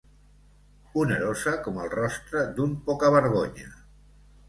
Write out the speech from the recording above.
Onerosa com el rostre d'un poca-vergonya.